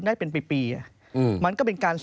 ได้เป็นปีมันก็เป็นการ